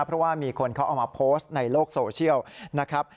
เพราะว่ามีคนเขาเอามาโพสต์ในโลกโซเชียลนะครับ